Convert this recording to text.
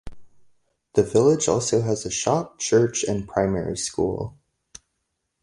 The village also has a shop, church and primary school.